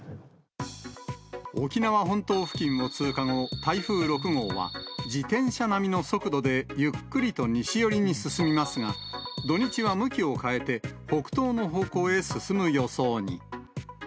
沖縄本島付近を通過後、台風６号は自転車並みの速度でゆっくりと西寄りに進みますが、土日は向きを変えて、北東の方向で進む予想に。